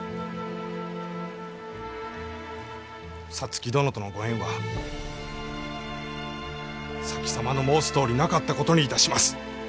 皐月殿とのご縁は先様の申すとおりなかった事に致します。